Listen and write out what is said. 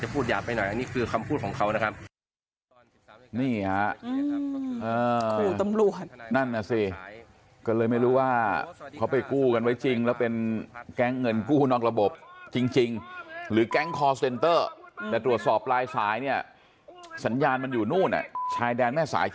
ประมาณนี้อาจจะพูดยาวไปหน่อย